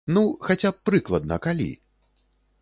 Ну, хаця б прыкладна, калі?